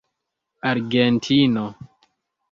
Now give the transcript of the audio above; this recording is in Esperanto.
argentino